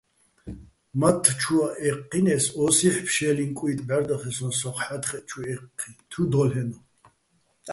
მათთ ჩუაჸ ე́ჴჴინეს, ოსი́ჰ̦ ფშე́ლიჼ კუჲტი̆ ბღარდახერსოჼ სოხ ჰ̦ა́თხეჸ ჩუ დო́ლ'ენო̆.